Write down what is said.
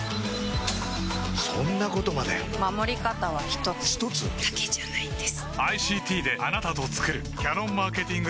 そんなことまで守り方は一つ一つ？だけじゃないんです